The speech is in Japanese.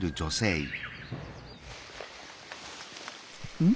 うん？